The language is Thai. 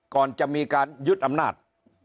ก่อนจะมีการยึดอำนาจ